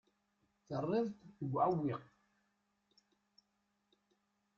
Terriḍ-t deg uɛewwiq.